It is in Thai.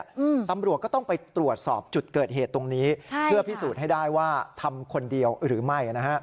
อืมตำรวจก็ต้องไปตรวจสอบจุดเกิดเหตุตรงนี้ใช่เพื่อพิสูจน์ให้ได้ว่าทำคนเดียวหรือไม่นะฮะ